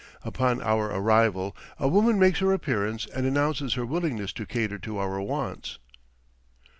Upon our arrival, a woman makes her appearance and announces her willingness to cater to our wants.